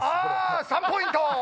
３ポイント！